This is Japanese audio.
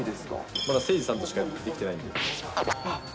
まだ誠司さんとしかできてないんで。